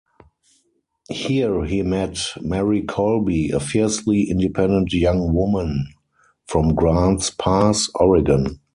Here he met Mary Colby, a fiercely independent young woman from Grants Pass, Oregon.